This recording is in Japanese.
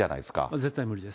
絶対無理です。